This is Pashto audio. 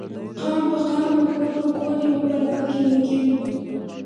قام په قام او کور په کور یوې بلا کې راګیر و.